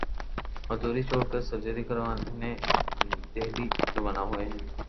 ادھوری چھوڑ کر سرجری کرانے دہلی روانہ ہوئے ہیں